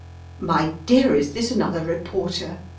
"My dear, is this another reporter?"